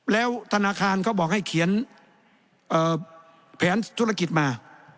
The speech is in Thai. แล้วธนาคารเขาบอกให้เขียนแผนธุรกิจมา